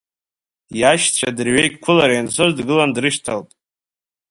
Иашьцәа дырҩегь қәылара ианцоз дгылан дрышьҭалт.